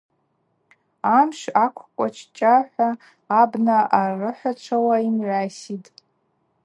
Амшв акъвкъва-чӏчӏа – хӏва абна арыхӏвачвауа йымгӏвайситӏ.